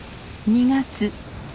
２月。